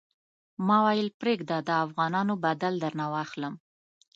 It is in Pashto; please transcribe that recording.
ما ویل پرېږده د افغانانو بدل درنه واخلم.